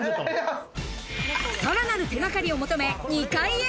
さらなる手がかりを求め２階へ。